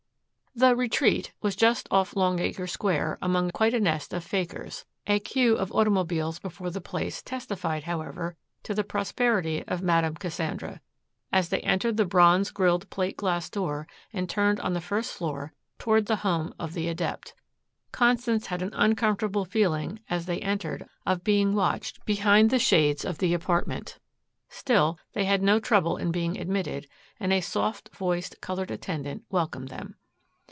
"The retreat" was just off Longacre Square among quite a nest of fakers. A queue of automobiles before the place testified, however, to the prosperity of Madame Cassandra, as they entered the bronze grilled plate glass door and turned on the first floor toward the home of the Adept. Constance had an uncomfortable feeling as they entered of being watched behind the shades of the apartment. Still, they had no trouble in being admitted, and a soft voiced colored attendant welcomed them.